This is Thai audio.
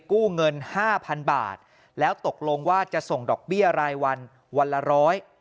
กู้เงินห้าพันบาทแล้วตกลงว่าจะส่งดอกเบี้ยรายวันวันละร้อย